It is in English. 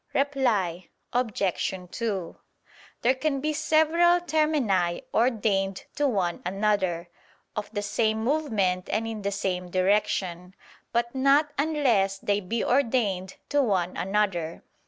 Reply Obj. 2: There can be several termini ordained to one another, of the same movement and in the same direction; but not unless they be ordained to one another.